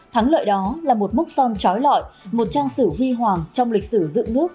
thắng lợi đó là một mốc son trói lọi một trang sử huy hoàng trong lịch sử dựng nước